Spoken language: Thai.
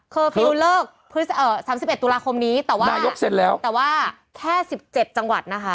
คอร์ฟิวเลิก๓๑ตุลาคมนี้แต่ว่าแค่๑๗จังหวัดนะคะ